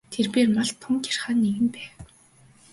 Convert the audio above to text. Тэрбээр малд тун гярхай нэгэн байв.